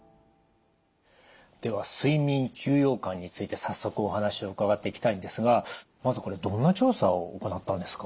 では睡眠休養感について早速お話を伺っていきたいんですがまずこれどんな調査を行ったんですか？